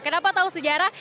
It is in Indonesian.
kenapa tahu sejarah